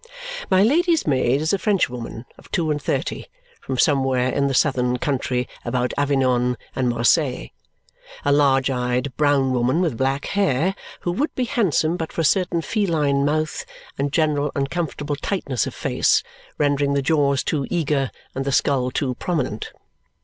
My Lady's maid is a Frenchwoman of two and thirty, from somewhere in the southern country about Avignon and Marseilles, a large eyed brown woman with black hair who would be handsome but for a certain feline mouth and general uncomfortable tightness of face, rendering the jaws too eager and the skull too prominent.